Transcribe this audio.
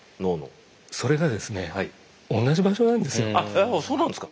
あっそうなんですか。